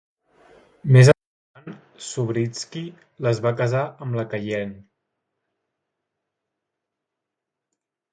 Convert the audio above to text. Més endavant, Subritzky les va casar amb la Kaylene.